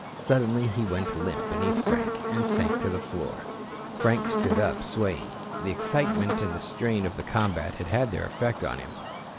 Suddenly he went limp beneath Frank, and sank to the floor. Frank stood up swaying. The excitement and the strain of the combat had had their effect on him.